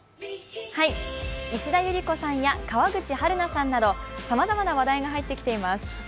石田ゆり子さんや川口春奈さんなどさまざまな話題が入ってきています。